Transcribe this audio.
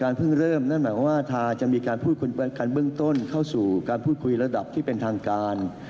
คุณบันการณ์เบื้องต้นเข้าสู่การพูดคุยระดับที่เป็นทางการ